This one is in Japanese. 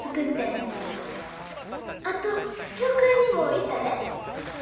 ☎あと教会にも行ったで。